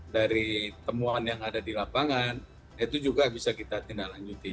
dari temuan yang ada di lapangan itu juga bisa kita tindak lanjuti